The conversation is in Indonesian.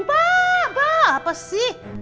pak apa sih